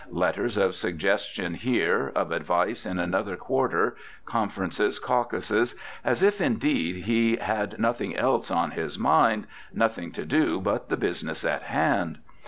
Letters of suggestion here, of advice in another quarter, conferences, caucuses, —as if, indeed, he had nothing else on his mind, nothing to do but the business on hand.